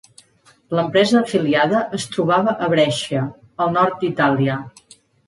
L'empresa afiliada es trobava a Brescia, al nord d'Itàlia.